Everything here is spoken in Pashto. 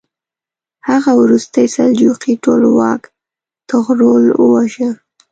هغه وروستی سلجوقي ټولواک طغرل وواژه.